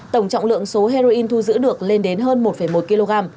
tổng trọng lượng số heroin thu giữ được lên đến hơn một một kg